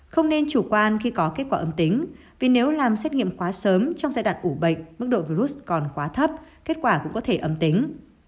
không nên chủ quan khi có kết quả âm tính vì nếu làm xét nghiệm quá sớm trong giai đoạn ủ bệnh mức độ virus còn quá thấp kết quả cũng có thể âm tính